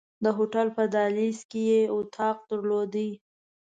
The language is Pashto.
د هوټل په دهلیز کې یې اتاق درلود.